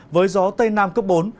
với gió tây nam cấp bốn